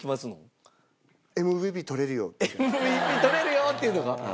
「ＭＶＰとれるよ！」っていうのが？